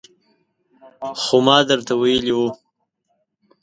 خو ما درته ویلي وو